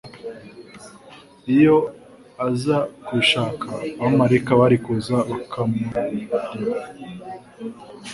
Iyo aza kuibishaka abamarayika bari kuza bakamuraruya;